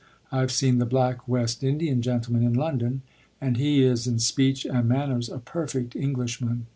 I have seen the black West Indian gentleman in London, and he is in speech and manners a perfect Englishman.